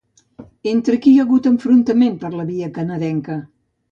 Entre qui hi ha hagut enfrontament per la via canadenca?